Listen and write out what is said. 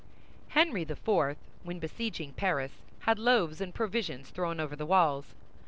Henry IV., when besieging Paris, had loaves and provisions thrown over the walls.